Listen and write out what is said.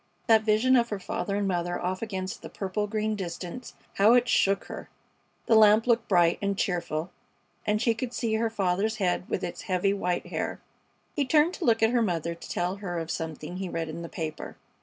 That vision of her father and mother off against the purple green distance, how it shook her! The lamp looked bright and cheerful, and she could see her father's head with its heavy white hair. He turned to look at her mother to tell her of something he read in the paper.